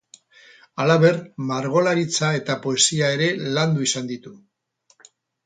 Halaber, margolaritza eta poesia ere landu izan ditu.